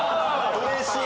うれしい！